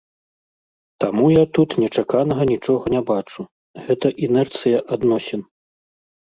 Таму я тут нечаканага нічога не бачу, гэта інэрцыя адносін.